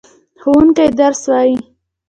ښوونکی درس وايي.